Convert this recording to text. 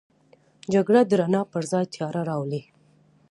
جګړه د رڼا پر ځای تیاره راولي